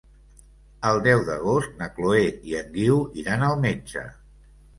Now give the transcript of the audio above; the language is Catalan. El deu d'agost na Chloé i en Guiu iran al metge.